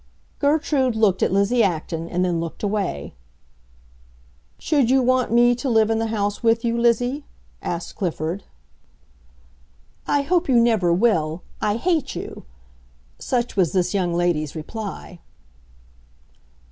Gertrude looked at Lizzie Acton, and then looked away. "Should you want me to live in the house with you, Lizzie?" asked Clifford. "I hope you never will. I hate you!" Such was this young lady's reply.